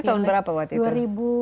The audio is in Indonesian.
tahun berapa waktu itu